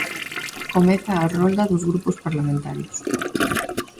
Comeza a rolda dos grupos parlamentarios.